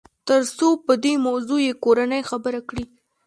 تر څو په دې موضوع يې کورنۍ خبره کړي.